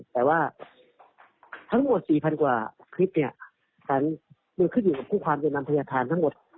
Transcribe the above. แต่ว่าทั้งหมดสี่พันกว่าคลิปเนี่ยฟันมึงขึ้นอยู่กับคู่ความเวียบนัมพยาธารทั้งหมด